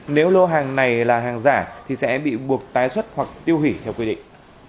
nếu lô hàng này là hàng giả thì sẽ bị buộc tái xuất hoặc tiêu hủy theo quy định